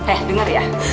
eh dengar ya